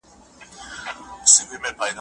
څنګه افغان صادروونکي قیمتي ډبرې اروپا ته لیږدوي؟